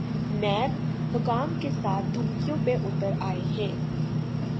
NAB حکام کے ساتھ دھمکیوں پہ اتر آئے ہیں۔